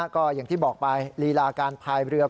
ก็อย่างที่บอกไปลีลาการพายเรือ